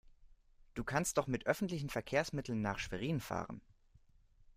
Du kannst doch mit öffentlichen Verkehrsmitteln nach Schwerin fahren